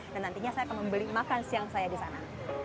dan nantinya saya akan membeli makan siang saya di sana